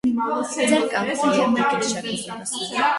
- Ձեր կամքն է, երբ դուք ինձ չեք ուզում լսել: